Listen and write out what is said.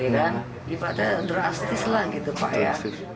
ibadah drastis lah gitu pak ya